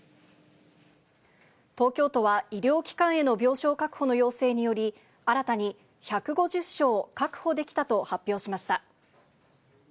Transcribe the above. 東京都は、医療機関への病床確保の要請により、新たに１５０床確保できたと発表しました。